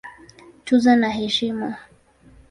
Tuzo na Heshima